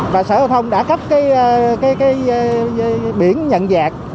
và sở giao thông đã cấp cái biển nhận dạc